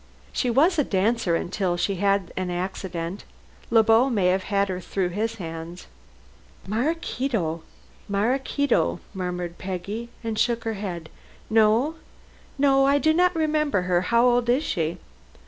"She was a dancer until she had an accident. Le Beau may have had her through his hands." "Maraquito, Maraquito," murmured Peggy, and shook her head. "No, I do not remember her. How old is she?"